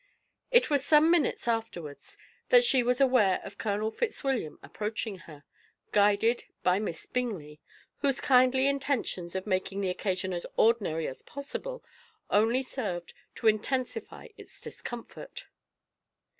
It was some minutes afterwards that she was aware of Colonel Fitzwilliam approaching her, guided by Miss Bingley, whose kindly intentions of making the occasion as ordinary as possible only served to intensify its discomfort.